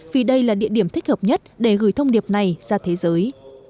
vì đây là địa điểm thích hợp nhất để gửi thông điệp này ra thế giới